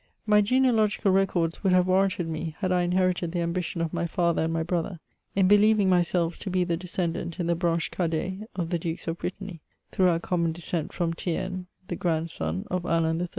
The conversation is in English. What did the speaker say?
. My genealogical records would have warranted me, had I inherited the ambition of my father and my brother, in believ ing myself to be the descendant in the branche cadet of the Dukes of Brittany, through our common descent ^m Thiem, the grandson of Alain III.